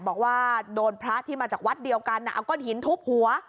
บอกว่าโดนพระที่มาจากวัดเดียวกันเอาก้อนหินทุบหัว